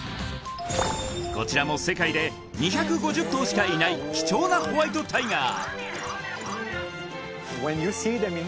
こちらも世界で２５０頭しかいない貴重なホワイトタイガー